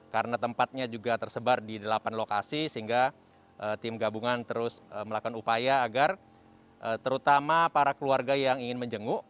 karena tempatnya juga tersebar di delapan lokasi sehingga tim gabungan terus melakukan upaya agar terutama para keluarga yang ingin menjenguk